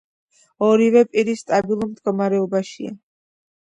ორივე პირი სტაბილურ მდგომარეობაშია.